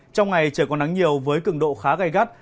trong ngày trời có nắng nhiều với cứng độ khá gai gắt